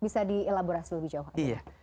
bisa di elaborasi lebih jauh